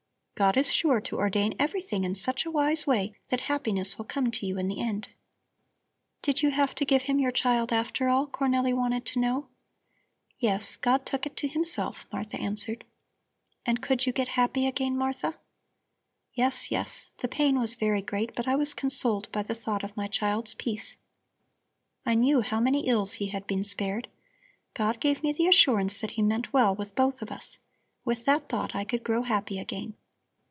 God is sure to ordain everything in such a wise way that happiness will come to you in the end." "Did you have to give Him your child after all?" Cornelli wanted to know. "Yes, God took it to Himself," Martha answered. "And could you get happy again, Martha?" "Yes, yes. The pain was very great, but I was consoled by the thought of my child's peace. I knew how many ills he had been spared. God gave me the assurance that He meant well with both of us. With that thought I could grow happy again."